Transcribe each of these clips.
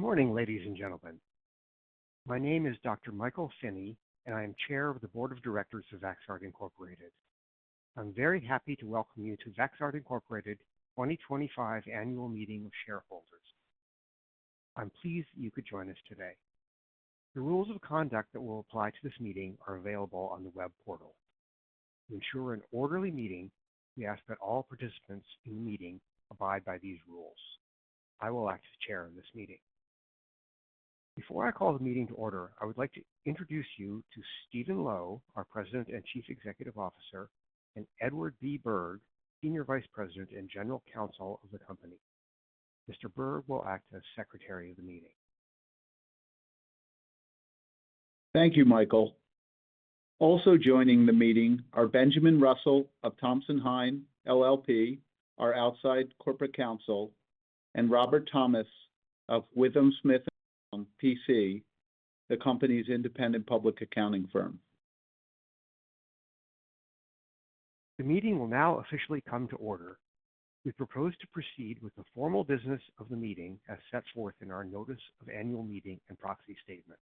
Good morning, ladies and gentlemen. My name is Dr. Michael Finney, and I am Chair of the Board of Directors of Vaxart Incorporated. I'm very happy to welcome you to Vaxart Incorporated's 2025 Annual Meeting of Shareholders. I'm pleased that you could join us today. The rules of conduct that will apply to this meeting are available on the web portal. To ensure an orderly meeting, we ask that all participants in the meeting abide by these rules. I will act as Chair of this meeting. Before I call the meeting to order, I would like to introduce you to Steven Lo, our President and Chief Executive Officer, and Edward B. Berg, Senior Vice President and General Counsel of the company. Mr. Berg will act as Secretary of the meeting. Thank you, Michael. Also joining the meeting are Benjamin Russell of Thompson Hine LLP, our outside corporate counsel, and Robert Thomas of Withum Smith+Brown, PC, the company's independent public accounting firm. The meeting will now officially come to order. We propose to proceed with the formal business of the meeting as set forth in our Notice of Annual Meeting and Proxy Statement.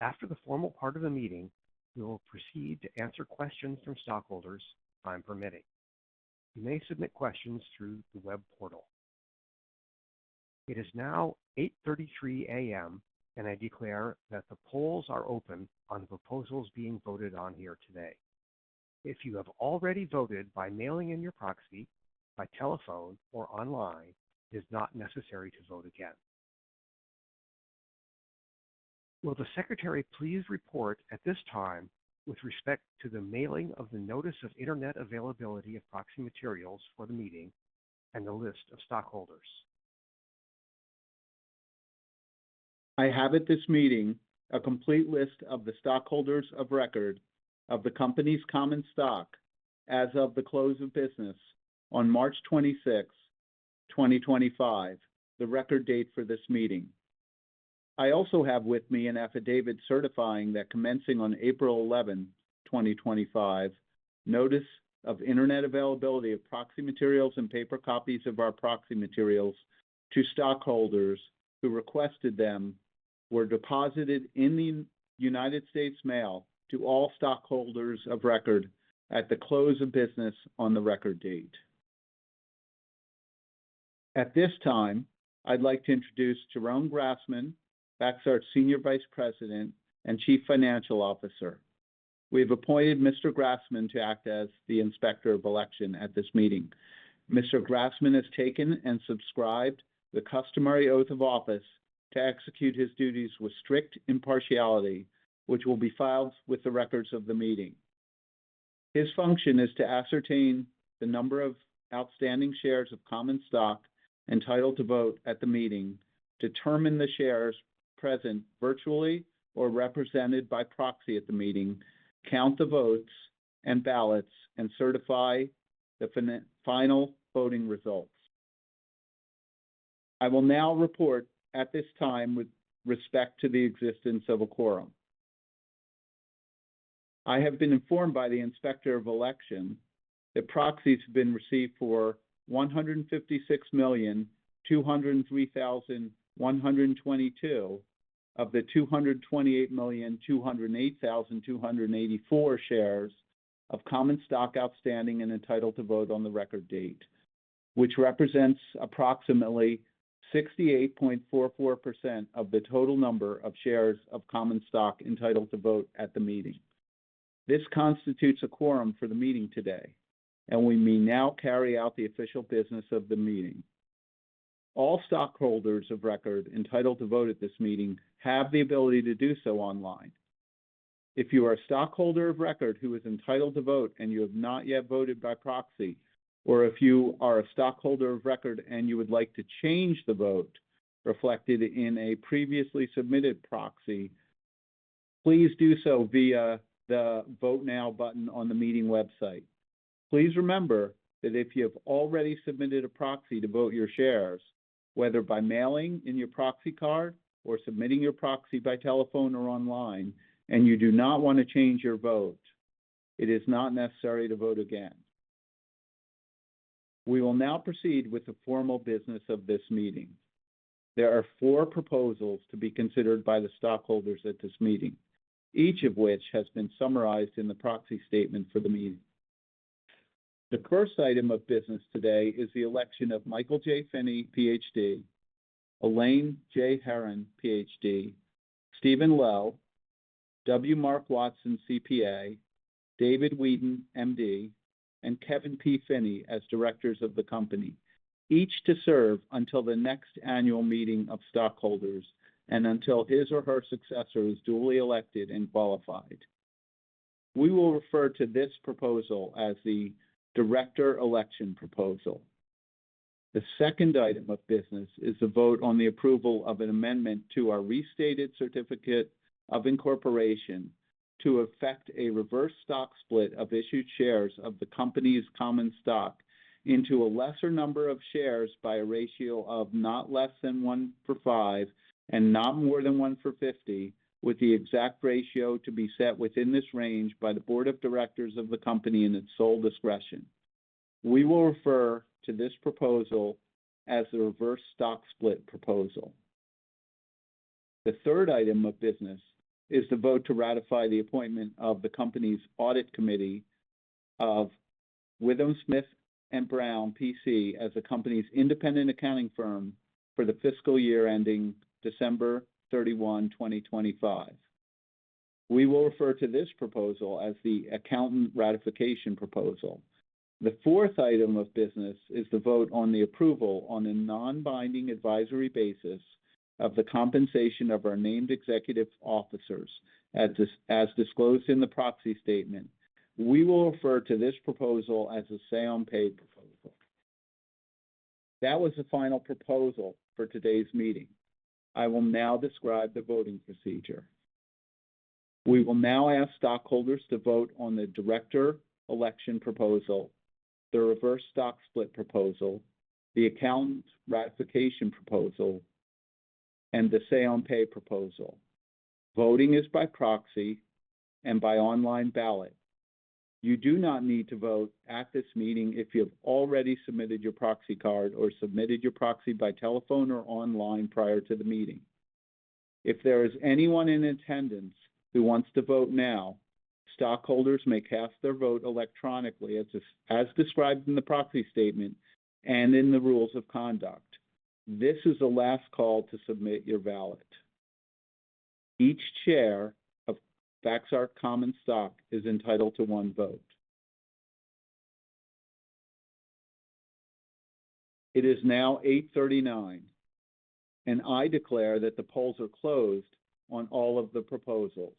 After the formal part of the meeting, we will proceed to answer questions from stockholders, time permitting. You may submit questions through the web portal. It is now 8:33 A.M., and I declare that the polls are open on the proposals being voted on here today. If you have already voted by mailing in your proxy, by telephone, or online, it is not necessary to vote again. Will the Secretary please report at this time with respect to the mailing of the Notice of Internet Availability of Proxy Materials for the meeting and the list of stockholders? I have at this meeting a complete list of the stockholders of record of the company's common stock as of the close of business on March 26, 2025, the record date for this meeting. I also have with me an affidavit certifying that commencing on April 11, 2025, Notice of Internet Availability of Proxy Materials and paper copies of our proxy materials to stockholders who requested them were deposited in the United States Mail to all stockholders of record at the close of business on the record date. At this time, I'd like to introduce Jeroen Grasman, Vaxart's Senior Vice President and Chief Financial Officer. We have appointed Mr. Grasman to act as the Inspector of Election at this meeting. Mr. Grasman has taken and subscribed the customary oath of office to execute his duties with strict impartiality, which will be filed with the records of the meeting. His function is to ascertain the number of outstanding shares of common stock entitled to vote at the meeting, determine the shares present virtually or represented by proxy at the meeting, count the votes and ballots, and certify the final voting results. I will now report at this time with respect to the existence of a quorum. I have been informed by the Inspector of Election that proxies have been received for 156,203,122 of the 228,208,284 shares of common stock outstanding and entitled to vote on the record date, which represents approximately 68.44% of the total number of shares of common stock entitled to vote at the meeting. This constitutes a quorum for the meeting today, and we may now carry out the official business of the meeting. All stockholders of record entitled to vote at this meeting have the ability to do so online. If you are a stockholder of record who is entitled to vote and you have not yet voted by proxy, or if you are a stockholder of record and you would like to change the vote reflected in a previously submitted proxy, please do so via the Vote Now button on the meeting website. Please remember that if you have already submitted a proxy to vote your shares, whether by mailing in your proxy card or submitting your proxy by telephone or online, and you do not want to change your vote, it is not necessary to vote again. We will now proceed with the formal business of this meeting. There are four proposals to be considered by the stockholders at this meeting, each of which has been summarized in the proxy statement for the meeting. The first item of business today is the election of Michael J. Finney, Ph.D., Elaine J. Heron, Ph.D., Steven Lo, W. Mark Watson, CPA, David Wheadon, M.D., and Kevin P. Finney as directors of the company, each to serve until the next annual meeting of stockholders and until his or her successor is duly elected and qualified. We will refer to this proposal as the Director Election Proposal. The second item of business is the vote on the approval of an amendment to our restated Certificate of Incorporation to effect a reverse stock split of issued shares of the company's common stock into a lesser number of shares by a ratio of not less than one for 5 and not more than one for 50, with the exact ratio to be set within this range by the Board of Directors of the company and its sole discretion. We will refer to this proposal as the Reverse Stock Split Proposal. The third item of business is the vote to ratify the appointment of WithumSmith+Brown, PC as the company's independent accounting firm for the fiscal year ending December 31, 2025. We will refer to this proposal as the Accountant Ratification Proposal. The fourth item of business is the vote on the approval, on a non-binding advisory basis, of the compensation of our named executive officers as disclosed in the proxy statement. We will refer to this proposal as a Say-on-Pay Proposal. That was the final proposal for today's meeting. I will now describe the voting procedure. We will now ask stockholders to vote on the Director Election Proposal, the Reverse Stock Split Proposal, the Accountant Ratification Proposal, and the Say-on-Pay Proposal. Voting is by proxy and by online ballot. You do not need to vote at this meeting if you have already submitted your proxy card or submitted your proxy by telephone or online prior to the meeting. If there is anyone in attendance who wants to vote now, stockholders may cast their vote electronically as described in the proxy statement and in the rules of conduct. This is the last call to submit your ballot. Each share of Vaxart Common Stock is entitled to one vote. It is now 8:39 A.M., and I declare that the polls are closed on all of the proposals.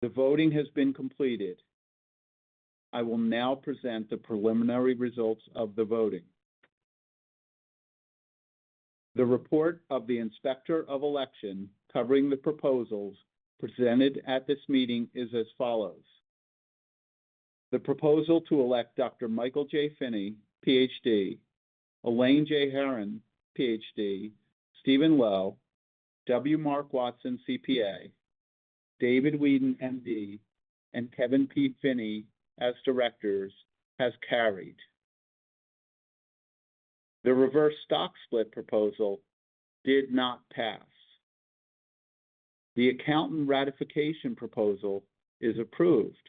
The voting has been completed. I will now present the preliminary results of the voting. The report of the Inspector of Election covering the proposals presented at this meeting is as follows. The proposal to elect Dr. Michael J. Finney, Ph.D., Elaine J. Heron, Ph.D., Steven Lo, W. Mark Watson, CPA, David Wheadon, M.D., and Kevin P. Finney as directors has carried. The Reverse Stock Split Proposal did not pass. The Accountant Ratification Proposal is approved.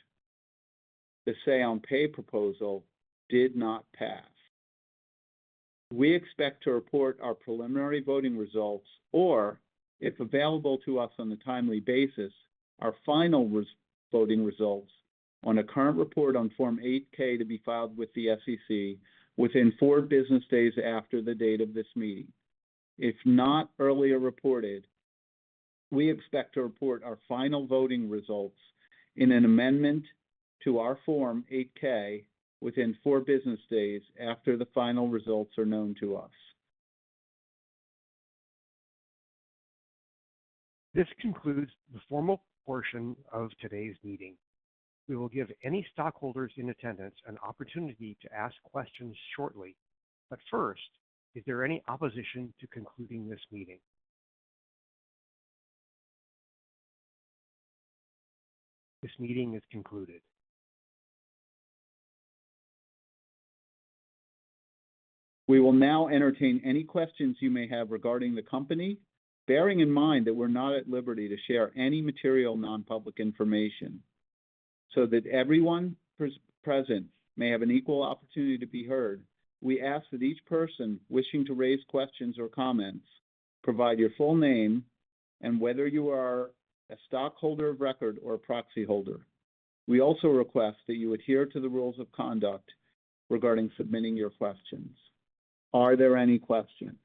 The Say-on-Pay Proposal did not pass. We expect to report our preliminary voting results or, if available to us on a timely basis, our final voting results on a current report on Form 8-K to be filed with the SEC within four business days after the date of this meeting. If not earlier reported, we expect to report our final voting results in an amendment to our Form 8-K within four business days after the final results are known to us. This concludes the formal portion of today's meeting. We will give any stockholders in attendance an opportunity to ask questions shortly. But first, is there any opposition to concluding this meeting? This meeting is concluded. We will now entertain any questions you may have regarding the company, bearing in mind that we're not at liberty to share any material non-public information. So that everyone present may have an equal opportunity to be heard, we ask that each person wishing to raise questions or comments provide your full name and whether you are a stockholder of record or a proxy holder. We also request that you adhere to the rules of conduct regarding submitting your questions. Are there any questions?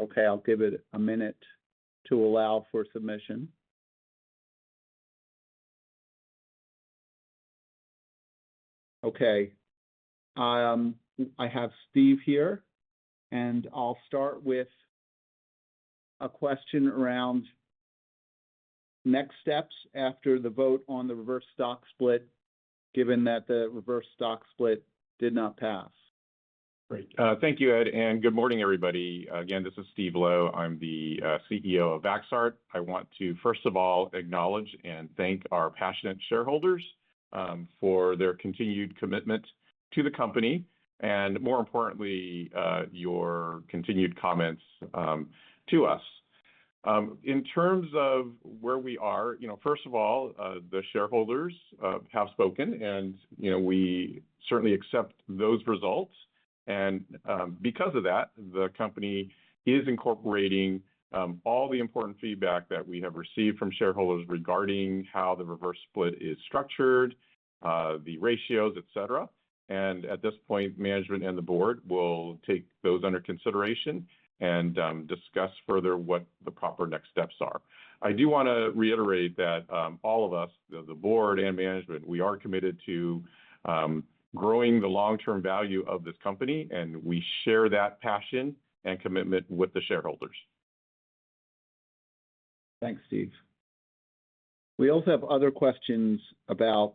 Okay. I'll give it a minute to allow for submission. Okay. I have Steve here, and I'll start with a question around next steps after the vote on the reverse stock split, given that the reverse stock split did not pass. Great. Thank you, Ed, and good morning, everybody. Again, this is Steve Lo. I'm the CEO of Vaxart. I want to, first of all, acknowledge and thank our passionate shareholders for their continued commitment to the company, and more importantly, your continued comments to us. In terms of where we are, first of all, the shareholders have spoken, and we certainly accept those results. And because of that, the company is incorporating all the important feedback that we have received from shareholders regarding how the reverse split is structured, the ratios, etc. And at this point, management and the board will take those under consideration and discuss further what the proper next steps are. I do want to reiterate that all of us, the board and management, we are committed to growing the long-term value of this company, and we share that passion and commitment with the shareholders. Thanks, Steve. We also have other questions about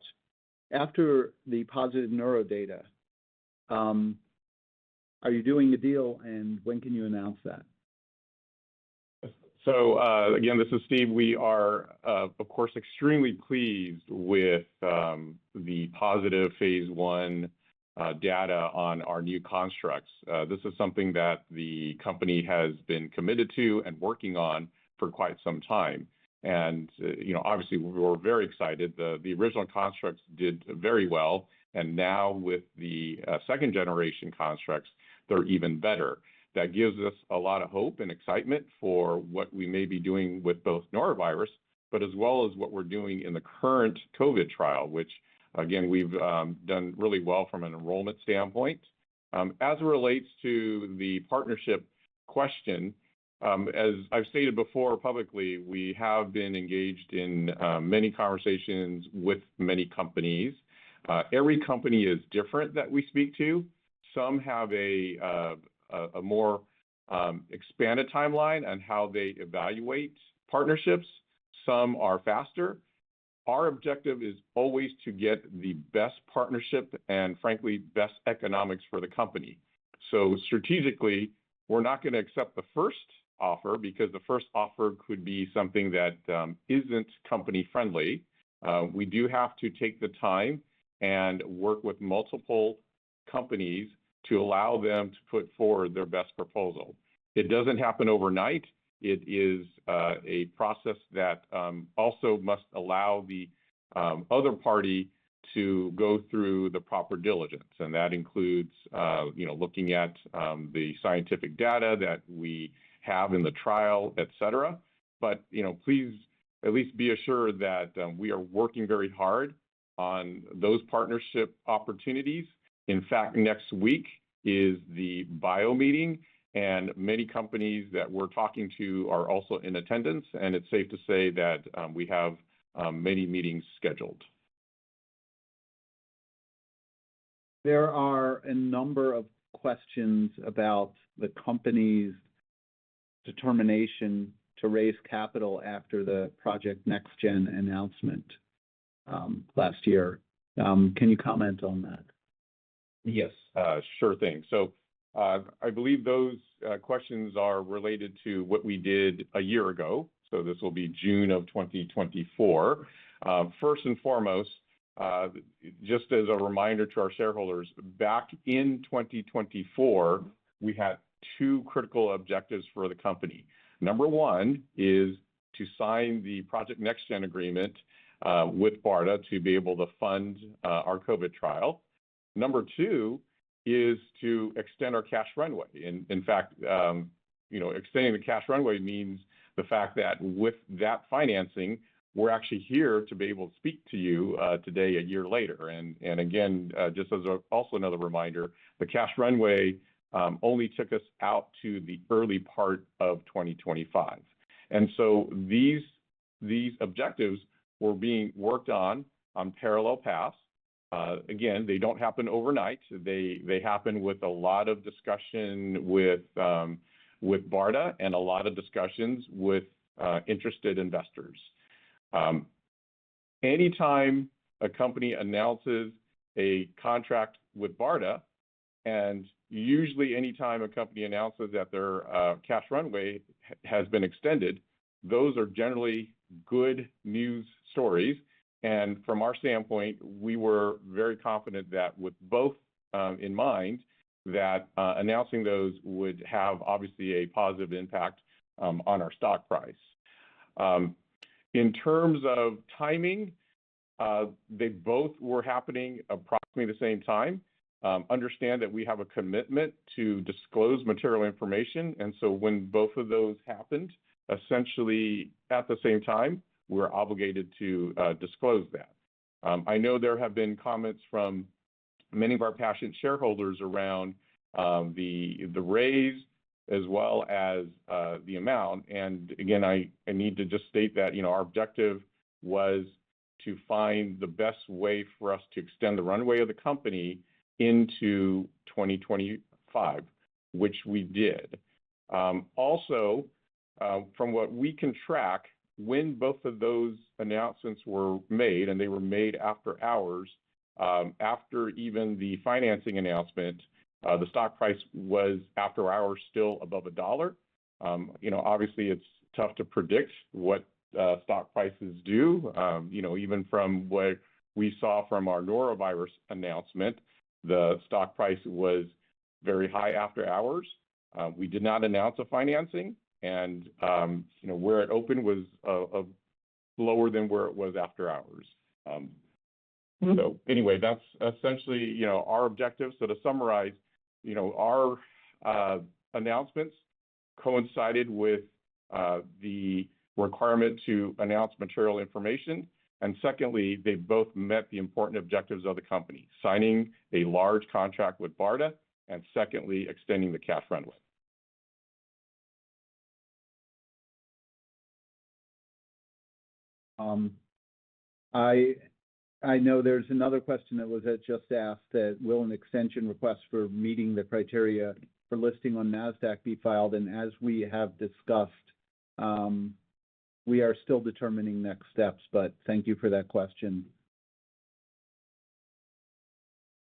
after the positive norovirus data. Are you doing a deal, and when can you announce that? So again, this is Steve. We are, of course, extremely pleased with the positive phase I data on our new constructs. This is something that the company has been committed to and working on for quite some time. And obviously, we're very excited. The original constructs did very well, and now with the second-generation constructs, they're even better. That gives us a lot of hope and excitement for what we may be doing with both norovirus, but as well as what we're doing in the current COVID trial, which, again, we've done really well from an enrollment standpoint. As it relates to the partnership question, as I've stated before publicly, we have been engaged in many conversations with many companies. Every company is different that we speak to. Some have a more expanded timeline on how they evaluate partnerships. Some are faster. Our objective is always to get the best partnership and, frankly, best economics for the company, so strategically, we're not going to accept the first offer because the first offer could be something that isn't company-friendly. We do have to take the time and work with multiple companies to allow them to put forward their best proposal. It doesn't happen overnight. It is a process that also must allow the other party to go through the proper diligence, and that includes looking at the scientific data that we have in the trial, etc., but please at least be assured that we are working very hard on those partnership opportunities. In fact, next week is the BIO meeting, and many companies that we're talking to are also in attendance, and it's safe to say that we have many meetings scheduled. There are a number of questions about the company's determination to raise capital after the Project NextGen announcement last year. Can you comment on that? Yes, sure thing. So I believe those questions are related to what we did a year ago. So this will be June of 2024. First and foremost, just as a reminder to our shareholders, back in 2024, we had two critical objectives for the company. Number one is to sign the Project NextGen agreement with BARDA to be able to fund our COVID trial. Number two is to extend our cash runway. In fact, extending the cash runway means the fact that with that financing, we're actually here to be able to speak to you today a year later. And again, just as also another reminder, the cash runway only took us out to the early part of 2025. And so these objectives were being worked on parallel paths. Again, they don't happen overnight. They happen with a lot of discussion with BARDA and a lot of discussions with interested investors. Anytime a company announces a contract with BARDA, and usually anytime a company announces that their cash runway has been extended, those are generally good news stories. And from our standpoint, we were very confident that with both in mind, that announcing those would have obviously a positive impact on our stock price. In terms of timing, they both were happening at approximately the same time. Understand that we have a commitment to disclose material information. And so when both of those happened, essentially at the same time, we're obligated to disclose that. I know there have been comments from many of our passionate shareholders around the raise as well as the amount. And again, I need to just state that our objective was to find the best way for us to extend the runway of the company into 2025, which we did. Also, from what we can track, when both of those announcements were made, and they were made after hours, after even the financing announcement, the stock price was after hours still above a dollar. Obviously, it's tough to predict what stock prices do. Even from what we saw from our norovirus announcement, the stock price was very high after hours. We did not announce a financing, and where it opened was lower than where it was after hours. So anyway, that's essentially our objective. So to summarize, our announcements coincided with the requirement to announce material information. And secondly, they both met the important objectives of the company: signing a large contract with BARDA and secondly, extending the cash runway. I know there's another question that was just asked that, "Will an extension request for meeting the criteria for listing on NASDAQ be filed?" And as we have discussed, we are still determining next steps, but thank you for that question.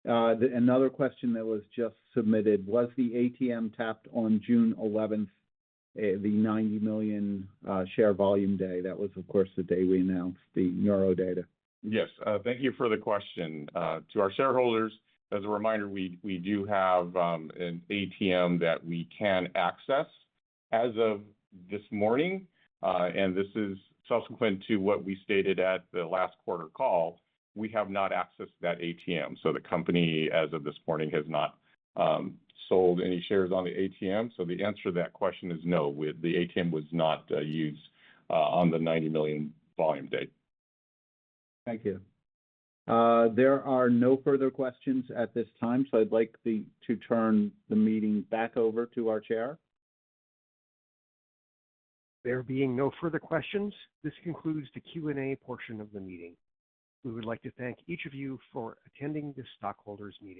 Another question that was just submitted, "Was the ATM tapped on June 11th, the 90 million share volume day?" That was, of course, the day we announced the noro data. Yes. Thank you for the question. To our shareholders, as a reminder, we do have an ATM that we can access as of this morning, and this is subsequent to what we stated at the last quarter call. We have not accessed that ATM. So the company, as of this morning, has not sold any shares on the ATM, so the answer to that question is no. The ATM was not used on the 90 million volume day. Thank you. There are no further questions at this time, so I'd like to turn the meeting back over to our chair. There being no further questions, this concludes the Q&A portion of the meeting. We would like to thank each of you for attending this stockholders' meeting.